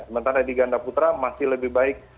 sementara di ganda putra masih lebih baik